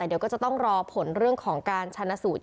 เดี๋ยวก็จะต้องรอผลเรื่องของการชนะสูตร